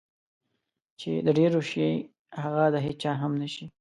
چې د ډېرو شي هغه د هېچا هم نشي.